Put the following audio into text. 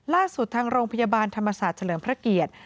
ล่าสุดทางโรงพยาบาลธรรมศาสตร์เจริญพระเกียรติ